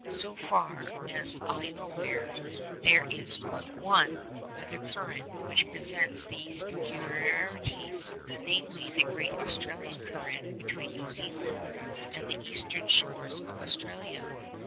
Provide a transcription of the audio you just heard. So far as I am aware, there is but one other current which presents both these peculiarities—namely, the great Australian current between New Zealand and the eastern shores of Australia.